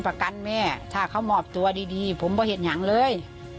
ประกันแม่ถ้าเขามอบตัวดีผมก็เห็นอย่างเลย